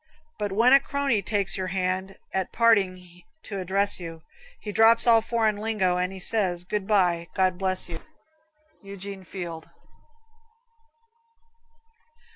But when a crony takes your hand At parting to address you, He drops all foreign lingo and He says, "Good bye, God bless you." Eugene Field.